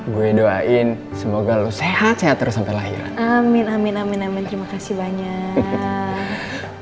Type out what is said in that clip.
gue doain semoga lo sehat sehat terus sampai lahir amin amin amin amin terima kasih banyak